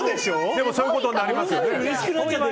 でも、そういうことになりますよね。